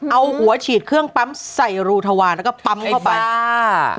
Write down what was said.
เอาหัวฉีดเครื่องปั๊มใส่รูทวารแล้วก็ปั๊มเข้าไปอ่า